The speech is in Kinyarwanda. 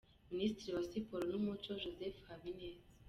Minisitiri wa Siporo n'umuco, Joseph Habineza.